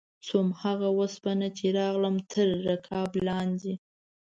شوم هغه اوسپنه چې راغلم تر رکاب لاندې